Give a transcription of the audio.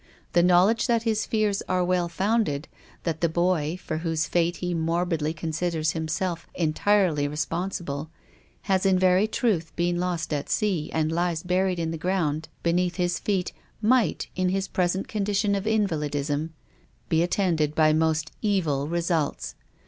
The knowledge that his fears are well founded, that the boy — for whose fate he morbidly considers himself entirely respon sible — has in very truth been lost at sea, and lies buried in the ground beneath his feet, might, in his present condition of invalidism, be attended by most evil results.